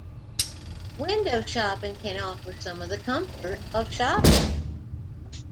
Window shopping can offer some of the comfort of shopping.